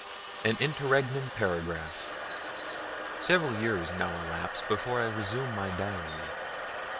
AN INTERREGNUM PARAGRAPH Several years now elapse before I resume my diary.